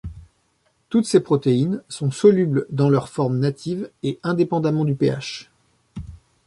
Toutes ces protéines sont solubles dans leurs formes natives, et indépendamment du pH.